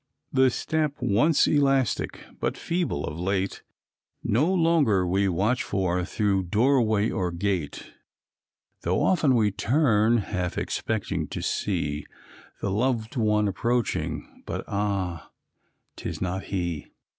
The step once elastic, but feeble of late, No longer we watch for through doorway or gate, Though often we turn, half expecting to see, The loved one approaching, but ah! 'tis not he.